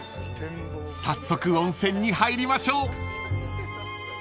［早速温泉に入りましょう］